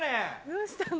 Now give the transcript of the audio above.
どうしたの？